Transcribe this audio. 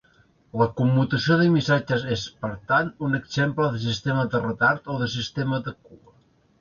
La commutació de missatges és, per tant, un exemple de sistema de retard o de sistema de cua.